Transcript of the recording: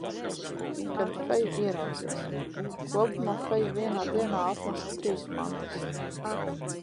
Kad feju ieraudzīs. Kopumā feja vienā dienā atnesa trīs mantas.